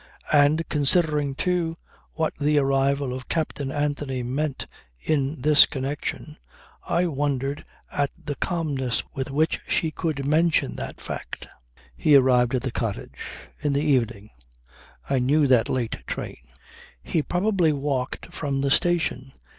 And considering, too, what the arrival of Captain Anthony meant in this connection, I wondered at the calmness with which she could mention that fact. He arrived at the cottage. In the evening. I knew that late train. He probably walked from the station.